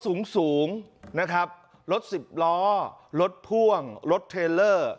สูงสูงนะครับรถสิบล้อรถพ่วงรถเทรลเลอร์